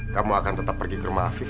kamu akan tetap pergi ke rumah afif